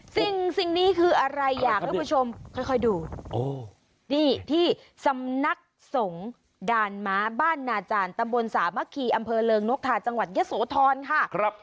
สิ่งนี้คืออะไรอยากให้ผู้ชมค่อยดูนี่ที่สำนักสงฆ์ด่านม้าบ้านนาจารย์ตำบลสามะคีอำเภอเริงนกทาจังหวัดยะโสธรค่ะ